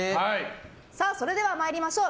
それでは参りましょう。